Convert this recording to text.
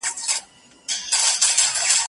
پاچا وغوښته نجلۍ واده تیار سو